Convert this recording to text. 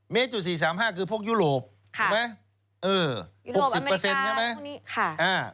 เมตร๔๓๕คือพวกยุโรปใช่ไหมเออ๖๐ใช่ไหมอเรนนี่ค่ะ